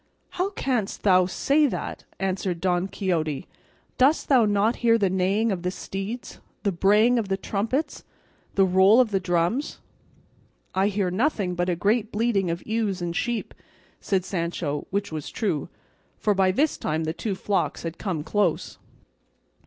"How canst thou say that!" answered Don Quixote; "dost thou not hear the neighing of the steeds, the braying of the trumpets, the roll of the drums?" "I hear nothing but a great bleating of ewes and sheep," said Sancho; which was true, for by this time the two flocks had come close.